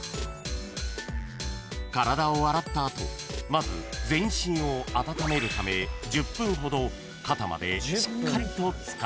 ［体を洗った後まず全身を温めるため１０分ほど肩までしっかりと漬かる］